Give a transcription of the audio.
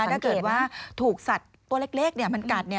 ถ้าเกิดว่าถูกสัตว์ตัวเล็กมันกัด